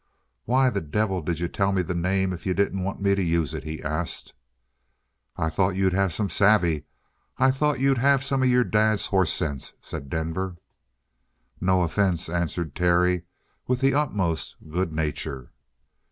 "Why the devil did you tell me the name if you didn't want me to use it?" he asked. "I thought you'd have some savvy; I thought you'd have some of your dad's horse sense," said Denver. "No offense," answered Terry, with the utmost good nature.